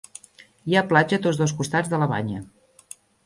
Hi ha platja a tots dos costats de la banya.